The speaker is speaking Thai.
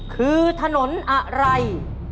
คือถนนอะไร